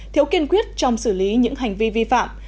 thiếu kiên quyết trong xử lý những hành vi vi phạm